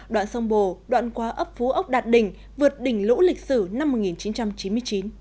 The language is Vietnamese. đoạn sông bồ đoạn qua ấp phú ốc đạt đỉnh vượt đỉnh lũ lịch sử năm một nghìn chín trăm chín mươi chín